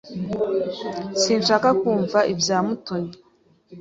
Sinshaka kumva ibya Mutoni.